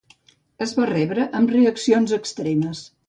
Es va rebre amb reaccions extremes.